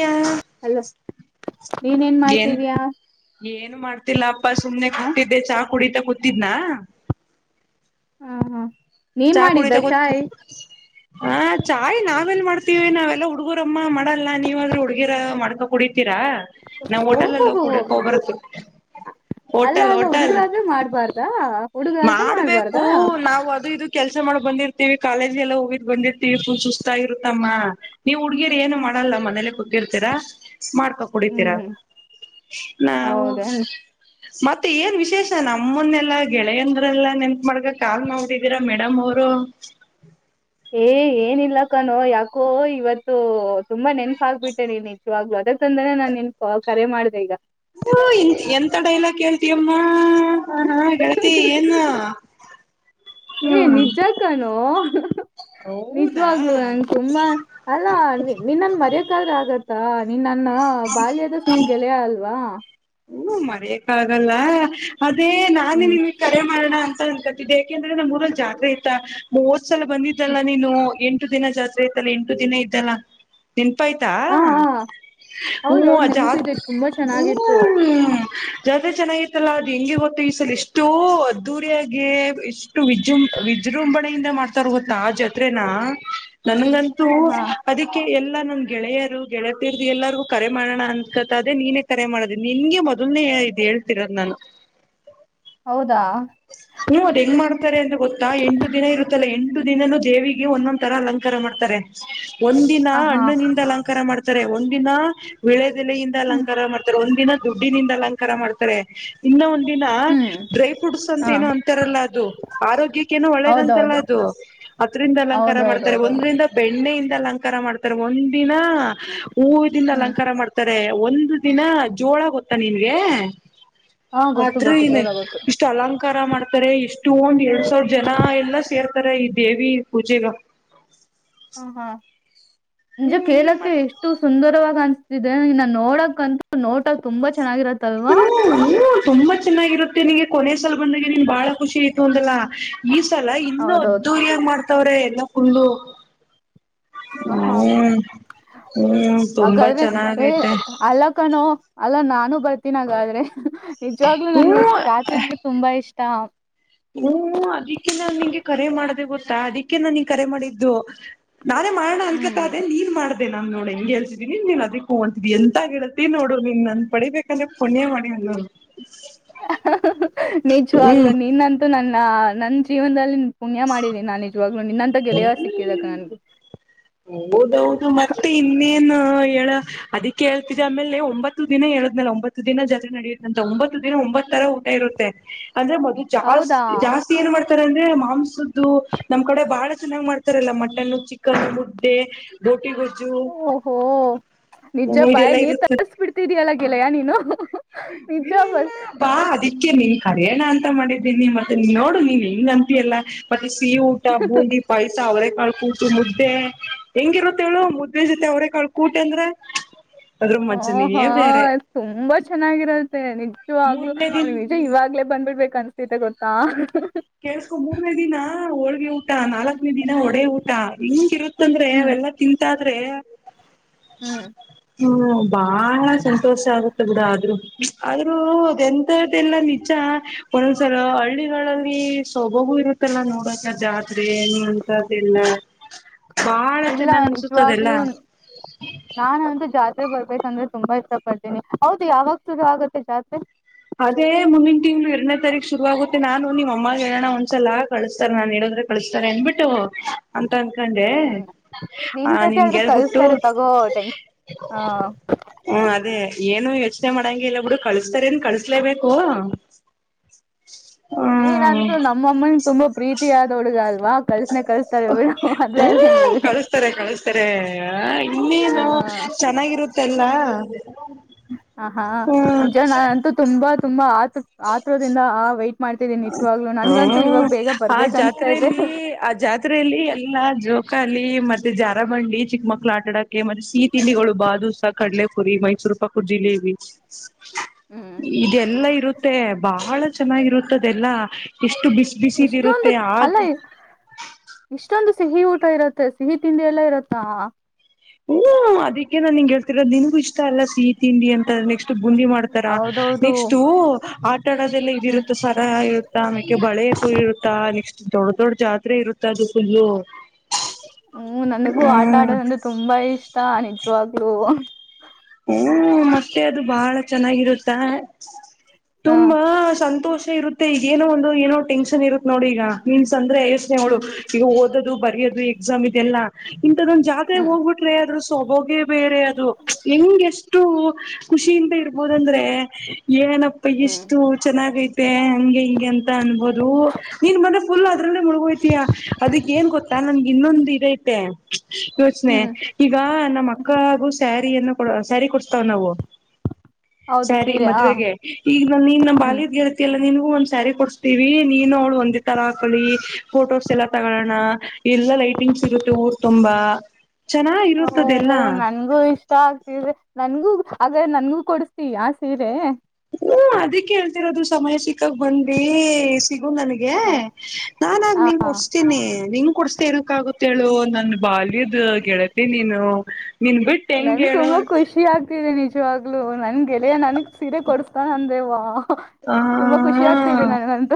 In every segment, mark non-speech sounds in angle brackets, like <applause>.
ಯ ಹಲೋ ನೀನ್ <unintelligible> ಏನ್ ಮಾಡ್ತಿದೀಯಾ ಏನು ಮಾಡ್ತಿಲ್ಲ ಅಪ್ಪ ಸುಮ್ನೆ ಹ ಕುತ್ತಿದ್ದೆ ಚಾಕ್ ಕುಡೀಿತಾ ಕೂತಿದ್ನಾ ಹ ಹಾ ನೀನ್ ಮಾಡಿದ್ದ ಚಾಯ್ ಹ ಚಾಯ್ ನಾವೆಲ್ ಮಾಡ್ತೀವಿ ನಾವೆಲ್ಲ ಹುಡ್ಗೂರಮ್ಮ ಮಾಡಲ್ಲ ನೀವಾದ್ರೂ ಹುಡ್ಗಿರ ಮಾಡ್ಕೊ ಕುಡಿ ಹತೀರಾ ನಾವ್ ಹಓಟೆಲ್ಲ್ಲಿ ಓಹೋಹೋ ಹೋಗ್ಿೂಡಬೇಕ ಹಬರ ಅಲ್ಲ ಅಲ್ಲ ಹುಡುಗ್ರಾದ್ರೆ ಮಾಡ್ಬಾರ್ದಾ ಹುಡುಗರಾದ್ರೆ ಮಾಡ್ಬೇಕು ಮಾಡ್ಬಾರ್ದಾ ನಾವು ಅದು ಇದು ಕೆಲ್ಸ ಮಾಡ ಬಂದಿರ್ತೀವಿ ಕಾಲೇಜ್ ಎಲ್ಲ ಹೋಗಿದ್ ಬಂದಿರ್ತೀವಿ ಫುಲ್ ಸುಸ್ತ ಇರುತ್ತಮ್ಮ ನೀವು ಹುಡ್ಗಿರ್ ಏನ್ ಮಾಡ ಮಾಡಲ್ಲ ಮನೇಲೆ ಕುರ್ತೀತಿರಾ ಮಾಡ್ಕೋ ಹ್ಮ್ ಕುಡಿತೀರ ಹ್ಮ್ ನಾವು ಹೌದೇನ್ ಮತ್ತೆ ಏನ್ ವಿಶೇಷ ನಮ್ಮನ್ನೆಲ್ಲ ಗೆಳೆಯಂದ್ರಲ್ಲ ನೆನ್ತ್ ಮಾಡಗ ಕಾಲ್ ನೋಡಿದೀರ ಮೇಡಮ್ ಅವರು ಏ ಏನಿಲ್ಲಕ್ಕಾನೋ ಯಾಕೋ ಇವತ್ತು ತುಂಬಾ ನೆನ್ಪ ಆಗ್ಬಿಟ್ಟೆ ನೀನ್ ನಿಜವಾಗ್ಲುೂ ಅದ ಂದ್ರೆ ನಾನ್ ನಿನ್ ಕರೆ ಮಾಡಿದೆ ಈಗ ಹ ಎಂತ ಡೈಲಾಗ್ ಕೇಳ್ತಿಯಮ್ಮ ಹ ಹಾ ಹಾ ಗೆಳತಿ ಏನು ಏ ಹ್ಮ್ ನಿಜ ಕಣೋ ಹೌದಾ ನಿಜವಾಗ್ಲು ನಂ ತುಂಬಾ ಅಲ್ಲಾ ನಿನ್ನನ್ ಮರ್ಯಕಾದ್ರ ಆಗತ್ತ ನನ್ನ ಬಾಲ್ಯದ ಗೆಳೆಯ ಅಲ್ವಾ ಹ ಮರಿಯಕ್ಕ ಆಾಗಲ್ಲ ಅದೇ ನಾನೇ ಹ್ಮ್ ನಿಮಗೆ ಕರೆ ಮಾಡೋಣ ಅಂತ ಯಾಕೆಂದ್ರೆ ನಮ್ ಊರಲ್ಲಿ ಜಾತ್ರೆ ಇಐತ ಮೂವತ್ ಸಲ ಬಂದಿದ್ದಲ್ಲ ನೀನು ಎಂ ಎಂಟು ದಿನ ಜಾತ್ರೆ ಇತ್ತಲ್ಲ ಎಂಟು ದಿನ ಇದ್ದಲ್ಲ ನೆನ್ಪ ಆಯ್ತಾ ಹ ಹ ಹ್ಞ ಹೌದೌದು ನೆನಪಿದೆ ಅಜಾತ್ ತುಂಬಾ ಹ ಚೆನ್ನಾಗಿತ್ತು. ಜಾತ್ ಚೆನ್ನಾಗಿತ್ತಲ್ಲಾ ಅದು ಹೆಂಗೆ ಗೊತ್ತು ಈ ಸಲ ಇಷ್ಟೋ ಅದ್ದೂರಿಯಾಗೆ ಇಷ್ಟು ವಿಜೃಂ ವಿಜೃಂಭಣೆಯಿಂದ ಮಾಡ್ತಾರ ಗತ್ತಾ ಜೊತ್ರೆನಾ ನನಗಂತೂ ಹಾ ಅದಕ್ಕೆ ಎ ಲ್ಲ ನನ್ ಗೆಳೆಯರು ಗೆಳೆತೀರ್ದ ಎಲ್ಲರಿಗು ಕರೆ ಮಾಡೋಣ ಅನ್ಕತದೆೇ ನೀನೇ ಕರೆ ಮಾಡದ ನಿನ್ಗೆ ಮೊದ ಅದುನೇ ಇದ ಹೇಳ್ತಿರೋದ್ ನಾನು ಹೌದು ಹೂ್ ಅದ್ ಹೆಂಗ್ ಮಾಡ್ ತಾರೆ ಅಂತ ಗೊತ್ತಾ ಎಂಟು ದಿನ ಇರುತ್ತಲ್ಲಾ ಎಂಟು ದಿನನುೂ ದೇವಿಗೆ ಒಂದೊಂದ್ ತರ ಅಲಂಕಾರ ಮಾಡ್ತಾರೆ ಒಂದಿನ ಹ ಹಾ ಹಣ್ಣಿನಿಂದ ಅಲಂಕಾರ ಮಾಡ್ತಾರೆ ಒಂದಿನ ವಿಳೆ ಲೆಯಿಂದ ಹ್ಮ್ ಅಲಂಕಾರ ಮಾಡ್ತಾರೆ ಒಂದಿನ ದುಡ್ಡಿನಿಂದ ಅಲಂಕಾರ ಮಾಡ್ತಾರೆ ಇನ್ನ ಒಂದ ಹ್ಮ್ <unintelligible> ಪುಡ್ಸ್ ಹ ಅಂತ ಏನೋ ಅಂತಾರಲ್ಲ ಅದು ಆರೋಗ್ಯಕ್ಕೆ ಏನೋ ಒಳ್ಳೇದಂತಲ್ಲ ಹೌದೌದು ಅದು ಅದರಿಂದ ಅಲಂಕಾರ ಮಾಡ್ತ ಹೌದೌದೌದು ಒಂದ್ರಂದ ಬೆಣ್ಣೆದ ಅಲಂಕಾರ ಮಾಡ್ತಾರೆ ಒಂದಿನ ಹೂವದಿಂದ ಹ್ಮ್ ಅಲಂಕಾರ ಮಾಡ್ತಾರೆ ಒಂದು ದಿನ ಜೋಳ ಗೊತ್ತ ನಿನ್ಗೆ ಹಾ ಗೊತ್ತು ಆದ್ರೂ ಗೊತ್ತು ಇಲ್ಲ ಜೋಳ ಗೊತ್ತು. ಅಲಂಕಾರ ಮಾಡ್ತಾರೆ ಇಷ್ಟು ಒಂದ್ ಎರಡ್ ಸಾವಿರ ಜನ ಎಲ್ಲ ೇರ್ತಾರ ಈ ದೇವಿ ಪೂಜೆಗ ಹಾ ಹಾ ನಿಜ ಹ್ಮ್ ನೀನ್ ಕೇಳಕ್ಕೆ ಮಾಡ ಎಷ್ಟು ಸುಂದರವ ಅನ್ ನಾ ನೋಡಕ್ಂತ ನೋಟಕ್ ತುಂಬಾ ಚೆನ್ನಾಗಿರತ್ತೆ ಹ್ಮ ತುಂಬಾ ಚೆನ್ನಾಗಿರುತ್ತೆ ನಿನ್ಗೆ ಕೊನೆ ಸಲ್ ಬಂದಾಗ ನೀನ್ ಬಾಳ ಖುಷಿ ಆಯತು ಅಂದಲ್ಲಾ ಈ ಸಲ ಇನ್ನು ಹೌದೌದು ಅದ್ದು ಏಗ್ ಮಾಡ್ತವ್ರೆ ಎಲ್ಲ ಫುಲ್ಲು ಹ ಹಾ ಹ್ಮ ಹಾಗಾದ್ರೆ ಹೇ ಅಲ್ಲ ಕಣೋ ಅಲ್ಲ ನಾನು ಬರ್ತೀನಾಗಾದ್ರೆ ನಿಜವಾಗ್ಲುೂ ನನ್ ಹ್ಮ್ ಜಾಚೆ ಅಂದ್ರೆ ತುಂಬಾ ಇಷ್ಟ ಹ್ಮ್ ಅದಿಕ್ಕೆ ನಾ ನಿಂಗೆ ಕರೆ ಮಾಡದೆ ಗೊತ್ತಾ ಅದಿಕ್ಕೆ ನಾ ನಿನ್ ಕರೆ ಮಾಡಿದ್ದು ನಾನೇ ಮಾಡಣ ಅನ್ಕತ ಹ್ಮ್ ಅದೆೆ ನೀನ್ ಮಾಡ್ದ ನನ್ ನೋ ಹೆಂಗ ಹೇಳ್ತಿದಿನಿ ನೀನ್ ಅದಿ ಕೂ ಅಂತೀ ಎಂತ ಹೇಳ್ತಿ ನೋಡರು ನೀನ್ ನನ್ ಪಡಿಬೇಕಂದ್ರೆ ಕೊಣೆ ಮಾಡಿ ಹ್ಮ ನಿಜವಾಗ್ಲು ಹ್ಮ್ ನೀನ್ನಂತೂ ನನ್ನ ನನ್ ಜೀವನದಲ್ಲಿ ಪುಣ್ಯ ಮಾಡಿದ್ದೀ ನಾನ ನಿಜ ಹೌದೌದು ಮತ್ತೆ ಇನ್ನೇನ್ ಅದಕ್ಕೆ ಹೇಳ್ತಿದ ಆಮೇಲೆ ಒಂಬತ್ತು ದಿನ ಹೇಳದ್ನಲ್ಲ ಒಂಬತ್ತು ದಿನ ಜಲ ನಡೆಯುತ್ತ ಅಂತ ಒತ್ತು ಒಂಬತ್ ತರ ಊಟ ಇರುತ್ತೆ ಅಂದ್ರೆ ಮದ ಹೌದಾ ಜಾಸ್ತಿ ಜಾಸ್ತಿ ಏನ್ ಮಾಡ್ತಾರೆ ಅಂದ್ರೆ ಮಾಂಸದ್ದು ನಮ್ ಕಡೆ ಬಹಳ ಚೆನ್ನಾಗ್ ಮಾಡ್ತಾರಲ್ಲ ಮಟನ್ ಚಿಕನ್ ಮುದ್ದೆ ಬ ಓಹೋ ನಿಜ ಹ್ಮ ಇದೆಲ್ಲಾ ಬಾಯಲ್ ನೀರ್ ಇರುತ್ತೆ ತರ್ಸ್ ಬಿಡ್ತಿದಲ್ಲ ಗೆಳೆಯ ನೀನು ನಿಜ ಇಲ್ಲ ಇಲ್ಲ ಬಸ್ ಬಾ ಅದ ಅಕ್ಕೆ ನೀನ್ ಕರೆಯಣ ಅಂತ ಮಾಡಿದ್ದೀನಿ ಮತ್ತೆ ನೀ ನೋಡು ನೀವ ಹೆಂಗ ಅಂತಿಯಲ್ಲ ಮ ಸಿ ಊಟ ಬೂಂದಿ ಪೈಸ ಅವರೆಳ ಕಾಳು ಊಟ ಮುದ್ದೆ ಹೆಂಗಿರುತ್ತ ಹೇಳೇಳು ಮುದ್್ದೆ ಜೊತೆ ಅವರ ಕಾಳ ಕೂಟ ಅಂದ್ರ ಅದ್ರ ಹಓ ಮಜಾನೇ ಹಾ ಬೇರೆ ತುಂಬಾ ಚೆನ್ನಾಗಿರದು ನಿಜವಾಗ್ಲೂ ಮೂರನೇ ದಿನ ನಿಜ ಇವಾಗ್ಲೇ ಬಂದ್ಬಿಡ್ಬೇಕು ಅನ್ಸ್ತೈತೆ ಗೊತ್ತಾ ಕೇಸ್ಕೊ ಮೂರ್ನೇ ದಿನ ಹೋಳ್ಗೆ ಊಟ ನಾಲ್ಕನೇ ದಿನ ಹೊಡೆ ಊಟ ಹಿಂಗಿರುತ್ತ ಅಂತಂದ್ರೆ ಹ್ಮ್ ಅವೆಲ್ಲಾ ತಿಂತಾದ್ರೆ ಹ್ಮ್ ಹ್ಮ್ ಬಾಳ ಸಂತೋಷ ಆಗುತ್ತೆ ಬಿೂಡ ಆದ್ರರು ಆದ್ರರು ಅದೆ ಎಂತದ್ದ ಎಲ್ಲ ನಿಜ ಒಂದೊಂದ್ಸಲ ಹಳ್ಳಿ ಸೊಭವೂ ಇರುತ್ತಲ್ಲ ನೋಡಕ ಜಾತ್ರೆ ಏನು ಅಂತ್ದಲ್ಲ ಇಲ್ಲ ನಿಜವಾಗ್ಲೂ ನಾನು ಒಂತ ಜಾತಿ ಬರ್ಬೇಕಂದ್ರೆ ತುಂಬಾ ಇಷ್ಟ ಪಡ್ತೀನಿ ಹೌದು ಯಾವಾಗ ಶುರು ಆಗುತ್ತೆ ಜಾಸ್ತಿ ತಾರೀು ಶುರು ಆಗುತ್ತ ನಾನ ನಿಮ್ಮ ಹ ಹೇಳೋಣ ಒಂದ್ಸಲ ಕಳಸ್ತಾರೆ ನಾನು ಹೇಳಿದ್ರೆ ಕಳಸತ ಸರ್ ಎನ್ಬಿಟ್ಟು ಅಂತ ಅನ್ಕೊಂಡೆ ಹ್ಮ್ ಆ ನಿನ್ಗೆಲ್ಬುಟ್ಟು ಹಾ ಹ್ಮ ಅದೇ ಏನು ಯೋಚನೆ ಮಾಡಂಗ ಇಲ್ಲ ಬಿುಡು ಕಳಸ್ತಾರ ಏನ್ ಕಳ್ಸ್ಲೇಬೇಕು ಹ್ಮ್ ಏನಂತೂ ನಮ್ಮಮ್ಮನ್ ತುಂಬಾ ಪ್ರೀತಿಿಯಾದ ಹುಳಗಲ್ ವಾ್ ಕಲ್ಸನ ಕಲ್ಸ್ತಾರೆ ಬಿಡ ಮಾ ಅಲ್ಲ ಹ್ಮ ಏನಿದೆ ಕಳಿಸ್ತಾರೆ ಕಳಿಸ್ತಾರೆ ಇನ್ನೇನು ಹ್ಮ ಚೆನ್ನಾಗಿರುತ್ತೆಲ್ಲ ಹ ಹಾ ಹ್ಮ್ ನಿಜನ ಅಂತೂ ತುಂಬಾ ತುಂಬಾ ಆತ ಆತ್ರದಿಂದ ಆ ವೈಟ್ ಮಾಡ್ತಿದ್ದೀನಿ ನಿಜವಾಗ್ಲು ನನ್ಗಂತೂ ಇವಾಗ ಹ್ಮ್ ಬೇಗ ಆ ಬರ್ಬೇಕ ಅನ್ಸ್ತಾೈತೆ ಜಾತ್ರೆಯಲ್ಲಿ ಆ ಜಾತ್ರೆಯಲ್ಲಿ ಎಲ್ಲ ಜೋಕಾಲ ಮತ್ತೆ ಜಾರ ಬಂಡಿ ಚಿಕ್ಕ ಮಕ್ಳ ಆಟಡೋಕ್ಕೆ ಮತ್ತೆ ಸಿಹ ತಿಿನಿಗಳು ಬಾದುಸಹ ಕಡಲೆಪುರಿ ಮೈಸೂರು ಪಾಕುರ್ ಜೀಲಿ ಹ್ಮ ಹ್ಮ್ ಇದೆಲ್ಲಾ ಇರುತ್ತೆ ಬಹಳ ಚೆನ್ನಾಗಿರುತ್ತದೆಲ್ಲಾ ಇಷ್ಟ ಅಷ್ಟು ಬಿಸಿ ಇಷ್ಟೊಂದು ಬಿಸಿದಿರುತ್ತೆ ಆಗ ಅಷ್ಟೊಂದು ಸಿಹಿ ಊಟ ಇರುತ್ತೆ ಸಿಹಿ ತಿಂಡಿ ಎಲ್ಲ ಇರುತ್ತಾ ಹ್ಮ ಅದಿಕ್ಕೆ ನಾನ್ ನಿಂ ಹೇಳ್ತಿರೋದು ನಿನ್ಗೂ ಇಷ್ಟ ಅಲ್ಲ ಸಿಹಿ ತಿಂಡಿ ಅಂತ ನೆಕ್ಸ್ಟ್ ಬುಂದಿ ಮಾಡ್ತಾರ ಹೌದೌದು ನೆಕ್ಸ್ಟ್ ಆಟ ಆಡದೆಲ್ಲ ಹ್ಮ್ ಇದಿರುತ್ತೆ ಸರ ಇರುತ್ತ ಆಮಕ ಬಳೆ ಇರುತ್ತಾ ನೆಕ್ಸ್ಟ್ ದೊಡ್ಡ ದೊಡ್ ಜಾತ್ರೆ ಇರುತ್ತಾ ಅದು ಫುಲ್ಲು ಹ್ಮ ನನಗೂ ಆಟ ಹ್ಮ್ ಆಡೋದಂದೆ ತುಂಬಾ ಇಷ್ಟ ನಿಜವಾಗ್ಲುೂ ಹಓ ಮತ್ತೆ ಅದು ಬಾಳ ಚೆನ್ನಾಗಿರುತ್ತ ಹ ತುಂಬಾ ಸಂತೋಷ ಇರುತ್ತೆ ಈಗ ಏನೋ ಒಂದು ಏನೋ ಟೆನ್ಷನ್ ಇರುತ್ತತ್ ನೋಡಿ ಈಗ ನೀನ್ ಸ ್ರೆ ಯೋಸ್ನೆ ಅವಳು ಹ್ಮ್ ಈಗ ಓದೋದು ಬರಯೋದು ಎಕ್ಸಾಮ್ ಇದೆಲ್ಲಾ ಇಂಥದೊಂದ್ ಜಾತೆರೆಗ್ ಹ್ಮ್ ಹೋಗ್ಬಿಟ್ರೆ ಆದದ್ರರು ಸೊಬಗೆ ಬೇರೆ ಅದು ಹೆಂಗ್ ಎಷ್ಟು ಖುಷಿಯಿಂದ ಇರ್ಬೋದ ಅಂದ್ರೆ ಏನಪ್ಪ ಹ್ಮ್ ಎಷ್ಟು ಚೆನ್ನಾಗೈತೆ ಹಂಗಗೆ ಹೆಂಗೆ ಅಂತ ಅನ್ಬೋದು ನೀನ್ ಮನ ಫುಲ್ ಅದ್ರಲ್ಲೇ ಮುಳಗೋಯ್ತಯಾ ಅದಿ ಏನ್ ಗೊತ್ತಾ ನನ್ಗೆ ಇನ್ನೊಂದು ಇ ಐತೆ ಯೋಚನೆ ಹ್ಮ್ ಈಗ ನಮ್ಮ ಮಕ್ಕಳ ಹಾಗು ಸ್ಯಾರಿಯನ್ನು ಸರಿ ಕೊಡ್ತಾವ ನಾವು ಹೌದು ಸ್ಯಾರಿ ಸೀರೆ ಹ ಮದ್ುವೆಗೆ ಈಗ ನಾನು ಇನ್ನ ಹ್ಮ್ ಬಾಯದ್ ಗೆಳತಿ ಎಲ್ಲ ನನ್ಗೂ ಒಂದ್ ಸ್ಯಾರಿ ಕೊಡ್ಸ್ತೀವಿ ನೀನು ಅವ್ಳು ಒಂದ ತರ ಹಾಕಳಿ ಫೋಟೋಸ್ ಎಲ್ಲ ತಗೋೋಣ ಎಲ್ಲ ಲೈಟಿಂಗ್ಸ್ ಇಗತ್ತೆ ಊರ್ ತುಂಬಾ ಚೆನ್ನಾಗ್ ಓಹೋ ಇರುತ್ತದೆಲ್ಲಾ ನನ್ಗೂ ಇಷ್ಟ ಆಗ್ತಿದೆ ನನ್ಗೂ ಹಾಗ ನನ್ಗೂ ಕೊಡಸ್ತೀ ಆ ಸೀರೆ ಹ್ಮ ಅದಿಕ್ ಹೇಳ್ತಿರೋದು ಸಮಯ ಸಿಕ್ಕಾಗ ಬಂದಿ ಸಿಗು ನನ್ಗೆ ಹ ನಾನನ್ಾಗ ನಿನ್ ಹ ಕೊಡ್ಸ್ತೀನಿ ನಿನ್ ಕೊಡ್ಸ್ತ ಇನಕ್ಕ ಆಗುತ್ತೇಳು ನನ್ ಬಾಲ್ಯದ ಗೆಳತಿ ನೀನು ನೀನ್ ಬಿಟ್ಟು ಹೆಂಗ ಹೇಳ ವಾಗ್ಲುೂ ನನ್ ಗೆಳೆಯ ನನಗ್ ಸೀರೆ ಕೊಡಸ್್ತಾ ಅಂದೇವ್ ಆ ತುಂಬಾ ಖುಷಿ ಆಗ್ತಿದೆ ನನಗಂತ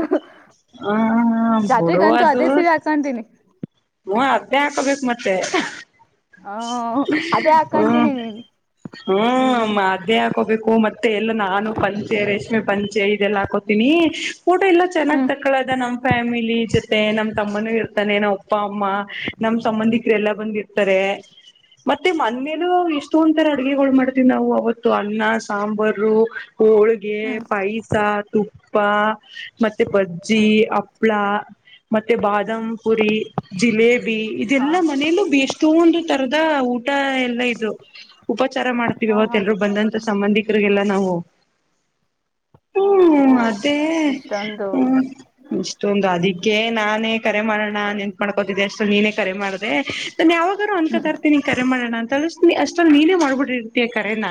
ಹ ಬಿಡು ಜಾತ್ರೆಗಂತೂ ಅದು ಅದೇ ಸೀರೆ ಹಾಕಂತೀನಿ ಹ್ಮ ಅದೇ ಹಾಕೋಬೇಕು ಮತ್ತೆ ಹ ಅದೇ ಹ್ಮ್ ಹಾಕೊಂತೀನಿ ನೀನ್ ಹ್ಮ್ ಅದೇ ಹಾಕೋಬೇಕು ಮತ್ತೆ ಎಲ್ಲ ನಾನು ಪಂಚೆ ರೇಷ್ಮೆ ಪಂಚೆ ಇದೆಲ್ಲ ಹಾಕೋತೀನಿ ಫೋಟೋ ಎಲ್ಲ ಚೆನ್ನ್ ಹ್ಮ್ ತಕ್ಕಳದ ನಮ ಫ್ಯಾಮಿಲಿ ಜೊತೆ ನಮ್ ತಮ್ಮನ ಇರ್ತಾನೆ ನಮ್ಮ್ ಅಪ್ಪ ಅಮ್ಮ ನಮ್ ಸಂಬಂಧಿಕರೆ ಎಲ್ಲಾ ಬಂದಿರ್ತಾರೆ ಮತ್ತೆ ಮನೇಲ ಎಷ್ಟೊ ಒಂದಂತರ ಅಡ್ಗೆಗಳು ಮಾಡ್ತೀವಿ ನಾವು ಅವತ್ತು ಅನ್ನ ಸಾಂಬಾರ ಹೋಳ್ಗೆ ಹ್ಮ್ ಪಾಯಸ ತುಪ್ಪ ಮತ್ತೆ ಬಜ್ಜಿ ಹ್ಮ್ ಹಪ್ಳ ಮತ್ತೆ ಬಾದ್ ಪುರಿ ಜಿಲೇಬಿ ಹ ಇದೆಲ್ಲಾ ಮನೇಲ್ಲೂ ಎಷ್ಟೊಂದು ತರದ ಊಟ ಎಲ್ಲಾ ಇದು ಉಪಚಾರ ಮಾಡ್ತೀವಿ ಹ ಹ ಅವತ್ತಲ್ರರು ಬಂದಂತ ಸಂಬಂಧಿಕ ಲ್ಲ ನಾವು ಓಹೋ ಹ್ಮ್ ಅದೇ ಇಷ್ಟೊಂದು ಹ್ಮ ಇಷ್ಟೊಂದು ಅದಿ ೇ ನಾನೇ ಕರೆ ಮಾಡೋಣ ನೆನ್ತ್ ಮಾಡ್ಕೋತಿದ್ದೆ ಅಷ್ಟು ನೀನೇ ಕರೆ ಮಾಡ್ದೆ ನನ್ನೆ ಯಾವ ರು ಹ್ಮ್ ಅನ್ಕತರ್ತಿ ಕರೆ ಮಾಡೋಣ ಅಂತ ಅ ಅಷ್ಟಲ್ಲಿ ನೀನೇ ಮಾಡ್ಬಿಟ್ಟಿರ್ತೀಯ ಕರೆನಾ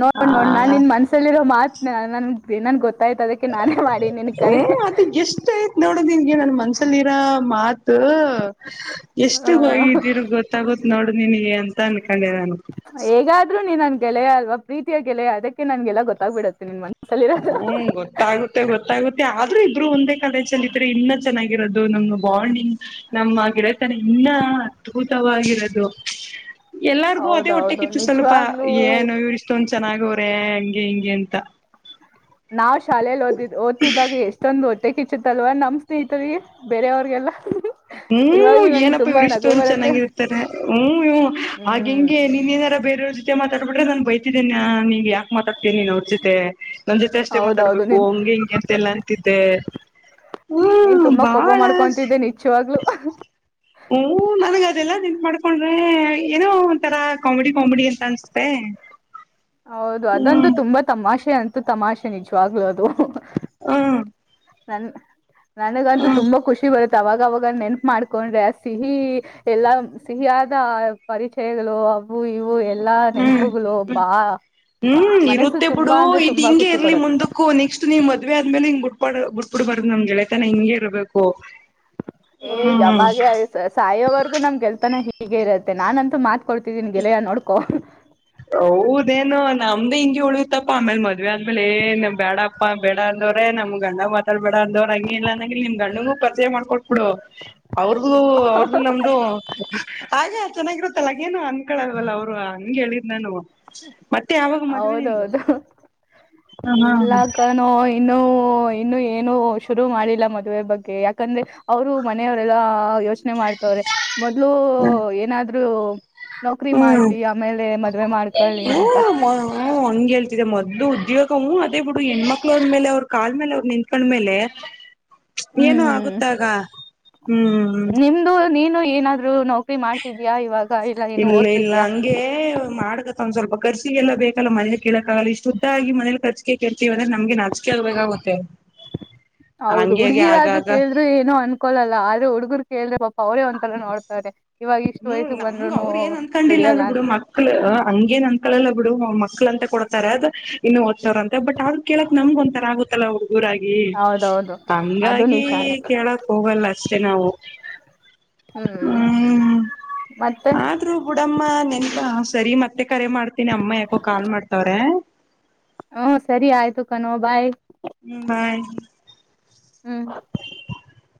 ನೋಡ್ ನೋಡ್ ನಾನ್ ಹ ನಿನ್ ಮನ್ಸಲ್ಲಿರೋ ಮಾತ್ ನನ್ಗೆ ನನ್ ಗೊತ್ತ ಗೊತ್ತಾಯ್ತ ಅದಕ್ಕೆ ನಾನೇ ಮಾಡಿ ನನ್ ಕರಿ ನೋಡುದ ನಿನ್ಗೆ ನನ್ ಮನ್ಸಲ್ಲಿರೋ ಮಾತು ಹ ಎಷ್ಟು ಹೋಗಿದಿರ್ ಗೊತ್ತಾಗ ನೋಡ್ ನಿನಗೆ ಅಂತ ಅನ್ ಹೇಗಾದ್ರು ನೀನ್ ನನ್ ಗೆಳಯ ಅಲ್ವಾ ಪ್ರೀತಿಯ ಗೆಳೆಯ ಅದಕ್ಕೆ ನನ್ಗೆಲ್ಲ ಗೊತ್ತಾಗ್ಬಿಡುತ್ತೆ ನಿನ್ ಮಂ ಹ್ಮ ಗೊತ್ತಾಗುತ್ತೆ ಗೊತ್ತಾಗುತ್ತೆ ಆದ್ರೂ ಇಬ್ರು ಒಂದೇ ಕಲೆ ಚಲಿದ್ರೆ ಇನ್ನ ಚೆನ್ನಾಗಿರೋದು ನಮ್ ಬಾಂಡಿಂಗ್ ನಮ್ಮ ಗೆಳೆತನ ಇನ್ನ ಅದ್ಭುತವಾಗಿರೋದು ಎಲ್ಲಾರ್ಗೂ ಅದೇ ಹೌದೌದು ಹೊಟ್ಟೆಕ್ಕಿತ್ತು ಸ್ವಲ್ಪ ನಿಜವಾಗ್ಲೂ ಏನೋ ಇವ್ರ ಇಷ್ಟೊಂದ ಚೆನ್ನಾಗವ್ರೆ ಹಂಗೆ ಹಿಂಗೆ ಅಂತ ನಾವ್ ಶಾಲೇೆಯಲ್ಲಿ ಓದಿದ್ದ್ ಓದ್ತಿದ್ದಾಗ ಎಷ್ಟೊಂದು ಓ ಇಚ್ಚತ್ತಲ್ವ ನಮ್ ಸ್ನೇಹಿತರಿ ಬೇರೆವ್ರಿಗೆಲ್ಲಾ ಹ್ಮ್ ಏನಪ್ಪಾ ಇವರು ಇಷ್ಟೊಂದು ಬರುತ್ತೆ ಚೆನ್ನಾಗಿರ್ತಾರೆ ಹ್ಮ ಹ ಆ ಹ್ಮ್ ಹಂಗೆ ನಿನ್ನ ರ ಬೇರೆಯವ್ರ ಜೊತೆ ಮಾತಾಡ್ ಬಿಟ್ರೆ ನಾನ್ ಬೈತೀೇ ನಿನ್ ಯಕಕ್ ಮಾತಾಡ್ತೀಿ ನೀನ್ ಅವ್ರ ಜೊತೆ ನನ್ ಜೊತೆ ಅಷ್ಟೇ ಹೌದೌದು ಮಾತಾಡ್ಬೇಕು ನೀನ್ ಹಂಗಗೆ ಹಿಂಗೆ ಅಂತೆ ಎಲ್ಲ ಅಂತಿದ್ದೆ ನೀನ್ ತುಂಬಾ ಕೋಪ ಮಾಡ್ಕೊಂತಿದ್ದೆ ನಿ ಹ್ಮ ನನಗ ಅದೆಲ್ಲಾ ನಿಂಂತ ಮಾಡ್ಕೊಂಡ್ರೆ ಏನೋ ಒಂತರಾ ಕಾಮಿಡಿ ಕಾಮಿಡಿ ಅಂತ ಅನ್ಸತೆೆ ಹೌದು ಅದಂತೂ ತುಂಬಾ ತಮಾಷೆ ಅಂತೂ ತಮಾಷೆ ನಿಜವಾಗ್ಲುೂ ಅದು ಹ್ಮ ನನ್ ನನಗಂತೂ ತುಂಬಾ ಖುಷಿ ಬರುತ್ತೆ ಅವಾವಾಗಾವಾಗ ನೆನಪು ಮಾಡ್ಕೊಂಡ್ರೆ ಸಿಹಿ ಎಲ್ಲ ಸಿಹಿಯಾದ ಪರಿಚಯಗಳು ಇವು ಇವು ಎಲ್ಲಾ ಹ್ಮ್ ನೆನಪುಗಳುಬಾ ಹ್ಮ್ ಇರುತ್ತೆ ಬಿಡು ಇದ್ ಹಿಂೇ ಖುಷಿ ಇರ್ಲಿ ಕೊಡತ್ ಮುಂದಕ್ಕೂ ನೆಕ್ಸ್ಟ್ ನೀ್ ಮದ್ವೆ ಆದ್ಮೇಲೆ ಹಿಂಗ್ ಬಿಡ್ಬಾ ಬುಡಬಾರ್ದು ನಮ್ ಗೆಳೆ ಏ ಹ್ಮ್ ಯಾವಾಗ ಸಾಯೋವರ್ಗು ನಮ್ಗೆಲ್ತಾನ ಹೀಗೆ ಇರತ್ತೆ ನಾನಂತೂ ಮಾತ್ಕೊಡ್ತಿದ್ದೀನಿ ಗೆಳೆಯ ನೋಡ್ಕೊ ಹೌದೇನು ನಮ್ದ ಹಿಂಗಗೆ ಉಳಿಯುತ್ತಪ್ಪ ಆಮೇಲ್ ಮದ್ವೆ ಆದ್ಮೇಲೆ ಏನ್ ಬೇಡಪ್ಪಾ ಬೇಡ ವ್ರೇ ನಮ್ ಗಂಡ ಮಾತಾಡ್ಬಡ ಅಂದವ್ ಹಂಗ ಇಲ್ಲ ಅಂದಂಗ ನಿಮ ಗುನೂ ಪರಿಚಯ ಮಾಡ್ಕಟ್ಟ ಇ ಅವ್ರ್ದು ಅವ್ರ್ದು ನಮ್ದು ಚೆನ್ನಾಗಿರುತ್ತಲ್ಲ ಅನ್ಕಳಲ್ವಲ್ಲ ಅವರು ಹಂಗಗೆ ಹೇಳಿದ್ ನವು ಮತ್ತೆ ಯಾವಾಗ ಮದ್ವೆ ನಿಂದು ಹ ಹಾ ಇಲ್ಲಾ ಕಣೋ ಇನ್ನುೂ ಇನ್ನು ಏನು ಶುರು ಮಾಡಿಲ್ಲ ಮದುವೆ ಬಗ್ಗೆ ಯಾಕಂದ್ರೆ ಅವರು ಮನೆಯವರೆಲ್ಲ ಯೋಚನೆ ಮಾಡ್ ಮೊದ್ಲು ಏನಾದ್ರು ನೌಕ್ರರಿ ಮಾಡ್ಲಿ ಆಮೇಲೆ ಮದ್ವೆ ಮಾಡ್ ಹ ಹಂಗಗೆ ಹೇಳ್ತಿದೆ ಮೊದಲು ಉದ್ಯೋಗವ ಅದೇ ಬಿಡು ಹೆಣ್ಮಕ್ಳು ಅವ್ರ ಮೇಲೆ ಅವ್ರ ಕಾಲ್ಮ ಮೇಲೆ ಅವ್ರು ನಿಂತ್ಕೊಂಡ್ಮೇಲೆ ಏನು ಹ್ಮ್ ಆಗುತ್ತಾಗ ಹ್ಮ್ ನಿಮ್ದು ನೀನು ಏನಾದ್ರು ನೋ ಇಲ್ಲ ಇಲ್ಲ ಹಂಗೆ ಮಾಡಕತ್ತ ಒಂದ್ ಸ್ವಲ್ಪ ಕರ್ಸಿಗೆ ಎಲ್ಲ ಬೇಕಲ್ಲ ಮನೆೇಲಿ ಕೇಳಕ್ಕಾಗಲ್ಲ ಇಷ್ಟುುದ್ದಾಗಿ ಮನೇಲಿ ಕರ್ಿಕೆ ಕೇಳ್ತಿೀವಿಂದ್ರೆ ನಮ್ಗೆ ನಚೆದ್ಬೇಕೇಕಾಗುತ್ತೆ ಹೌದು ಹುಡ್ಗಿರಾದ್ರು ಕೇಳ್ರರು ಏನು ಅನ್ಕೊಳಲ್ಲ ಆದ್ರೆ ಹುಡ್ಗರು ಕೇಳ್ರೆ ಅವರೇ ಒಂತಲ್ಲ ನೋಡ್ತಾರೆ ಇವಾಗ ಇಷ್ಟು ಹ್ಮ್ ವಯಸ್ಸಿಗೆ ನಮ್ಗ ಬಂದ್ರುನು ಅವರು ಏನ್ ಅನ್ಕೊಂಡಿಲ್ಲ ದುಡಿಯಲ್ಲ ಅಂದರು ಅಂತ ಬಿಡು ಮಕ್ಳ ಹಂಗೇಏನ್ ಅಂದಕೊಳ್ಳಲ್ಲ ಬಿಡು ಮಕ್ಳ ಅಂತ ಕೊಡ್ತಾರೆ ಅದು ಇನ್ನು ಒ್ ಸಾವರ ಅ ಬಟ್ ಆದ್ರ ಕೇಳಕ್ ನಮ್ಗ ಒಂಥರ ಆಗುತ್ತಲ್ಲ ಅವ್ರಿಗೆ ಊರಾಗಿ ಹೌದೌದು ಅದು ಹಂಗಾಗಿ ನಿಜಾನೇ ಕೇಳಕ್ ಹೋಗಲ್ಲ ಅಷ್ಟೇ ನಾವು ಹ್ಮ್ ಮತ್ತೆ ಆದ್ರೂ ಬುಡಮ್ಮ ನೆನ್ಪಾ ಸರಿ ಮತ್ತೆ ಕರೆ ಮಾಡ್ತೀನಿ ಅಮ್ಮ ಯಾಕೋ ಕಾಲ್ ಮಾಡ್ತವ್ರೆ ಹ ಸರಿ ಆಯ್ತು ಕನೋಬಾಯ್ ಹ್ಮ ಬಾಯ ಹ್ಮ್